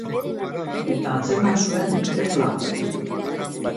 Eta atzeman zuen irla bat.